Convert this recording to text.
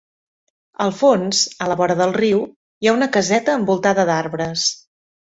Al fons, a la vora del riu, hi ha una caseta envoltada d'arbres.